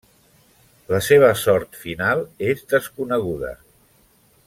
La seva sort final és desconeguda.